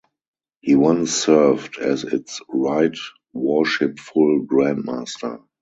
He once served as its Right Worshipful Grand Master.